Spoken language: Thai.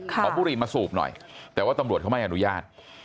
บุรีมาสูบหน่อยแต่ว่าตำรวจเขาไม่อนุญาต